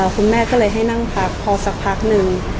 คุณแม่ก็เลยให้นั่งพักพอสักพักหนึ่ง